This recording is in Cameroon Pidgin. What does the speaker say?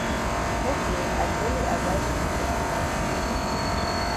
Ok I di only advice you na for advice you.